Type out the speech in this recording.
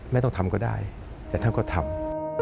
ไม่ต้องทำก็ได้แต่ท่านก็ทำ